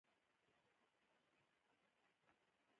بیا د ابراهیم د تعمیر پر مهال.